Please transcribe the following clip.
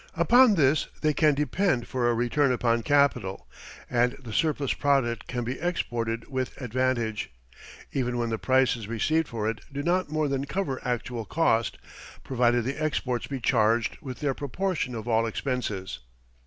Upon this they can depend for a return upon capital, and the surplus product can be exported with advantage, even when the prices received for it do not more than cover actual cost, provided the exports be charged with their proportion of all expenses.